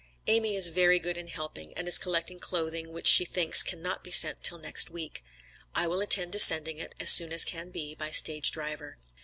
Amy is very good in helping, and is collecting clothing, which she thinks, cannot be sent till next week. I will attend to sending it, as soon as can be, by stage driver.